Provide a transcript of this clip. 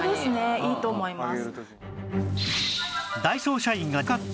いいと思います。